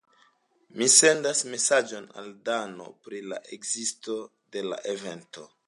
Mi sendas mesaĝon al Dano pri la ekzisto de la evento.